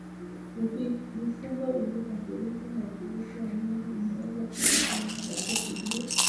Mifugo iliyoathirika na ukurutu wa ngombe inaweza kufa kama haitatibiwa